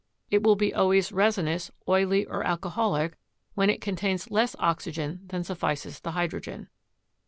It will be always resinous, oily, or alcoholic when it contains less oxygen than suffices the hydrogen.